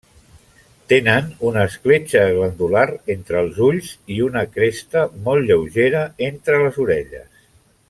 Tenen una escletxa glandular entre els ulls i una cresta molt lleugera entre les orelles.